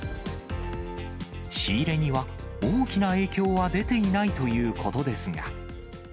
仕入れには大きな影響は出ていないということですが。